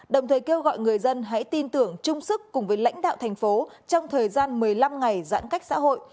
đồng thời kêu gọi người dân hãy tin tưởng trung sức cùng với lãnh đạo tp hcm trong thời gian một mươi năm ngày giãn cách xã hội